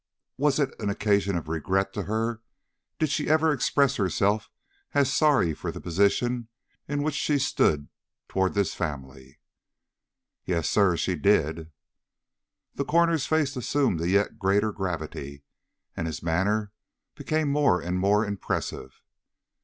"Was it an occasion of regret to her? Did she ever express herself as sorry for the position in which she stood toward this family?" "Yes, sir; she did." The coroner's face assumed a yet greater gravity, and his manner became more and more impressive.